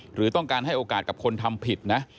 หรือต้องการให้โอกาสกับคนทำผิดนะ